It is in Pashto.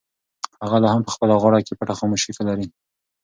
هغه لا هم په خپله غاړه کې پټه خاموشي لري.